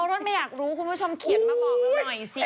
เอาลดไม่อยากรู้คุณผู้ชมเคียนมาบอกมาหน่อยสิว่า